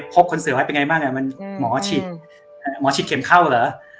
คนเสือไว้เป็นไงบ้างมันหมอฉีดหมอฉีดเข็มเข้าเหรอ